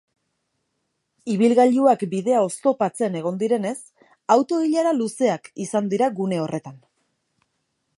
Ibilgailuak bidea oztopatzen egon direnez, auto-ilara luzeak izan dira gune horretan.